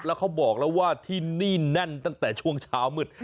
แล้วเขาบอกแล้วว่าที่นี่แน่นตั้งแต่ช่วงเช้ามืด